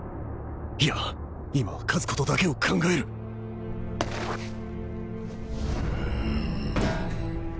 いや今は勝つことだけを考えるん！？